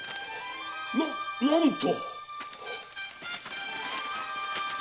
な何と！